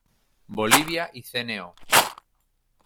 Bolivia y Cno.